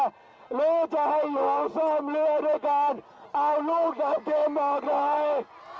หรือจะให้อยู่ห้องซ่อมเรือด้วยกันเอาลูกดับเก็มออกไหน